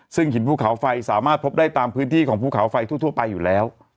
ซึ่งหินภูเขาไฟสามารถพบได้ตามพื้นที่ของภูเขาไฟทั่วไปอยู่แล้ว